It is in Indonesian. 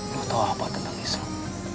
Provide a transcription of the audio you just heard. lo tau apa tentang islam